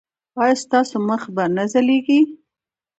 ایا ستاسو مخ به نه ځلیږي؟